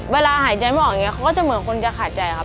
เวลาหายใจไม่ออกอย่างนี้เขาก็จะเหมือนคนจะขาดใจครับ